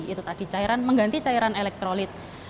itu tadi cairan mengganti cairan elektrolit